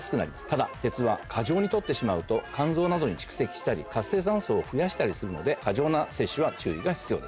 ただ鉄は過剰に取ってしまうと肝臓などに蓄積したり活性酸素を増やしたりするので過剰な摂取は注意が必要です。